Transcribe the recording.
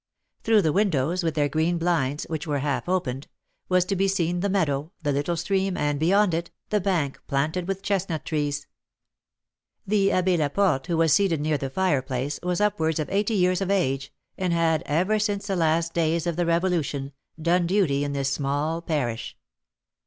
Through the windows, with their green blinds, which were half opened, was to be seen the meadow, the little stream, and, beyond it, the bank planted with chestnut trees. The Abbé Laporte, who was seated near the fireplace, was upwards of eighty years of age, and had, ever since the last days of the Revolution, done duty in this small parish.